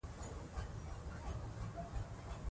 موږ د مهارت لرونکي کاري ځواک ته اړتیا لرو.